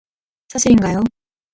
사실인가요?